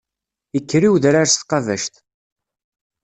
Ikker i wedrar s tqabact.